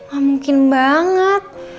gak mungkin banget